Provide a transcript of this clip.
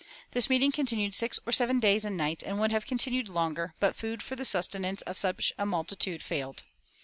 This meeting continued six or seven days and nights, and would have continued longer, but food for the sustenance of such a multitude failed.